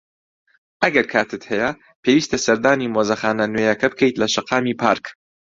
ئەگەر کاتت هەیە، پێویستە سەردانی مۆزەخانە نوێیەکە بکەیت لە شەقامی پارک.